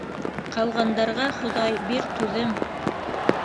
Ҡалғандарға, Хоҙай, бир түҙем.